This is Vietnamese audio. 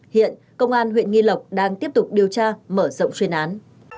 hiện công an huyện nghi lộc đang tiếp tục điều tra mở rộng chuyên án